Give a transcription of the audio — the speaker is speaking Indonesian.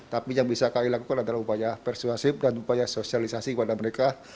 tapi yang bisa kami lakukan adalah upaya persuasif dan upaya sosialisasi kepada mereka